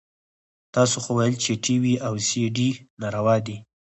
تاسو خو ويل چې ټي وي او سي ډي ناروا دي.